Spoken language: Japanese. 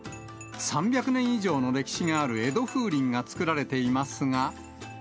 ３００年以上の歴史がある江戸風鈴が作られていますが。